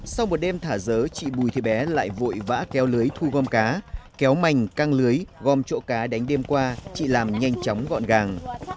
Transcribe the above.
sau một đêm thả dớ chị bùi thị bé lại vội vã kéo lưới thu gom cá kéo mình căng lưới gom chỗ cá đánh đêm qua chị làm nhanh chóng gọn gàng